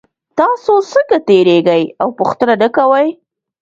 تاسو څنګه تیریږئ او پوښتنه نه کوئ